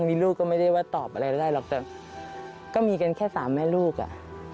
มีลูกก็ไม่ได้ว่าตอบอะไรได้หรอกแต่ก็มีกันแค่สามแม่ลูกอ่ะ